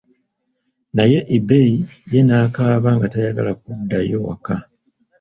Naye Ebei ye nakaaba nga tayagala kuddayo waka.